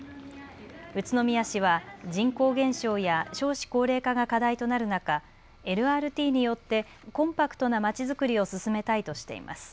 宇都宮市は人口減少や少子高齢化が課題となる中、ＬＲＴによってコンパクトなまちづくりを進めたいとしています。